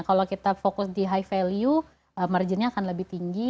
kalau kita fokus di high value marginnya akan lebih tinggi